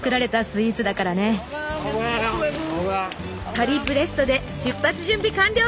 パリブレストで出発準備完了！